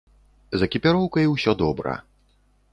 З экіпіроўкай усё добра.